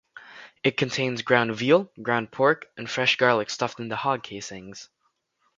It contains ground veal, ground pork, and fresh garlic stuffed into hog casings.